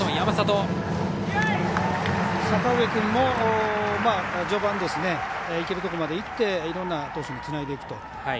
阪上君も序盤、いけるとこまでいっていろんな投手につないでいくと。